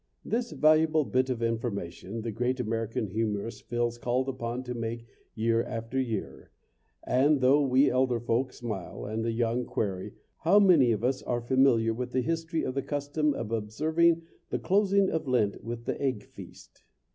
This valuable bit of information the great American humorist feels called upon to make year after year, and though we elder folk smile, and the young query, how many of us are familiar with the history of the custom of observing the closing of Lent with the egg feast?